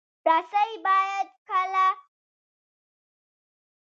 رسۍ باید کلکه وي، نه شلېدونکې.